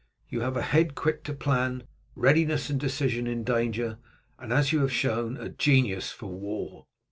You have a head quick to plan, readiness and decision in danger, and, as you have shown, a genius for war.